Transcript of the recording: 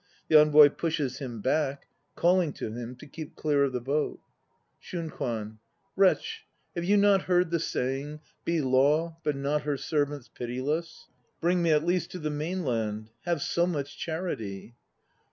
The ENVOY pushes him back, calling to him to keep clear of the boat.) SHUNKWAN. Wretch, have you not heard the saying: "Be law, but not her servants, pitiless." Bring me at least to the mainland. Have so much charity!